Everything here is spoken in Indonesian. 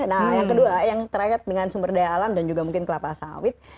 nah yang kedua yang terakhir dengan sumber daya alam dan juga mungkin kelapa sawit